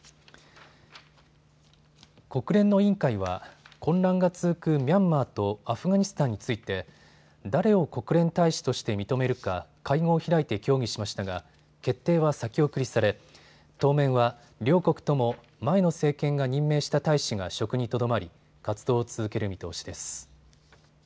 国連の委員会は混乱が続くミャンマーとアフガニスタンについて誰を国連大使として認めるか会合を開いて協議しましたが決定は先送りされ当面は両国とも前の政権が任命した大使が職にとどまり活動を続ける見通しです。